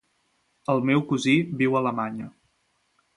El meu cosí viu a Alemanya.